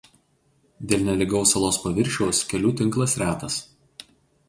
Dėl nelygaus salos paviršiaus kelių tinklas retas.